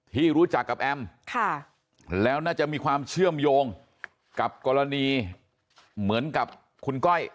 ที่รู้จักกับแอมแล้วน่าจะมีความเชื่อมโยงกับกรณีเหมือนกับคุณก้อย